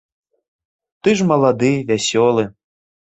Ты ж малады, вясёлы.